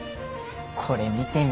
これ見てみ。